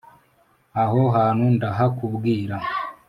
Aho hantu ndahakubwira